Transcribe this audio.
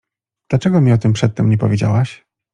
— Dlaczego mi o tym przedtem nie powiedziałaś?